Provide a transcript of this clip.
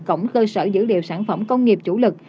cổng cơ sở dữ liệu sản phẩm công nghiệp chủ lực